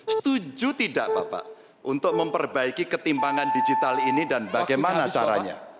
setuju tidak bapak untuk memperbaiki ketimbangan digital ini dan bagaimana caranya